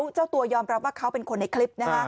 เจ้าตัวยอมรับว่าเขาเป็นคนในคลิป